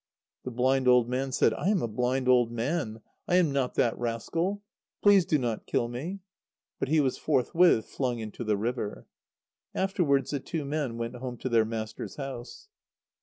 The blind old man said: "I am a blind old man. I am not that rascal. Please do not kill me!" But he was forthwith flung into the river. Afterwards the two men went home to their master's house.